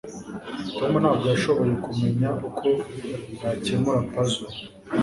tom ntabwo yashoboye kumenya uko yakemura puzzle